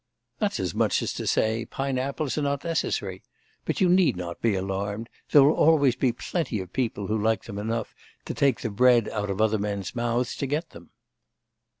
'That's as much as to say, pine apples are not necessary; but you need not be alarmed; there will always be plenty of people who like them enough to take the bread out of other men's mouths to get them.